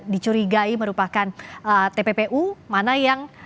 dicurigai merupakan tppu mana yang